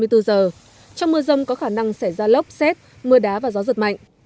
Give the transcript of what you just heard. trong mưa rông có khả năng xảy ra lốc xét mưa đá và gió giật mạnh